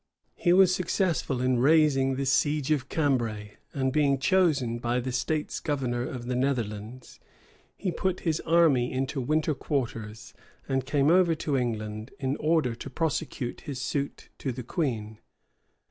He was successful in raising the siege of Cambray; and being chosen by the states governor of the Netherlands, he put his army into winter quarters, and came over to England, in order to prosecute his suit to the queen.